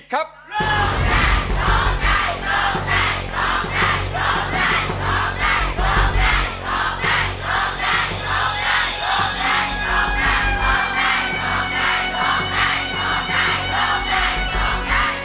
โทษใจโทษใจโทษใจ